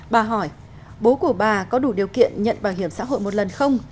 bà hỏi bố của bà có đủ điều kiện nhận bảo hiểm xã hội một lần không